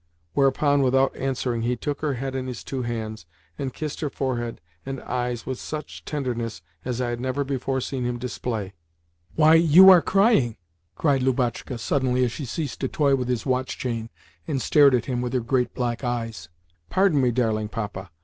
whereupon, without answering, he took her head in his two hands, and kissed her forehead and eyes with such tenderness as I had never before seen him display. "Why, you are crying!" cried Lubotshka suddenly as she ceased to toy with his watch chain and stared at him with her great black eyes. "Pardon me, darling Papa!